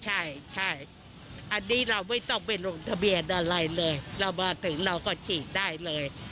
ใช่ใช่อันนี้เราไม่ต้องไปลงทะเบียนอะไรเลยเรามาถึงเราก็ฉีดได้เลย